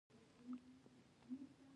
کپسول یا محفظه د باکتریاوو دیوال پوښي.